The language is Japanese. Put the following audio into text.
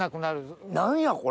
何やこれ！